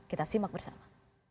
kita simak bersama